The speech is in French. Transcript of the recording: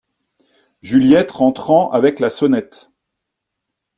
Juliette , rentrant avec la sonnette.